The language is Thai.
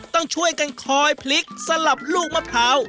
ต้องช่วยกันคอยพลิกสลับลูกมะพร้าว